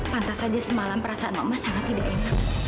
pantas aja semalam perasaan mama sangat tidak enak